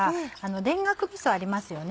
田楽みそありますよね？